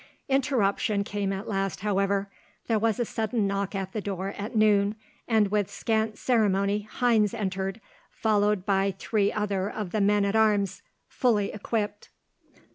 Interruption came at last, however. There was a sudden knock at the door at noon, and with scant ceremony Heinz entered, followed by three other of the men at arms, fully equipped.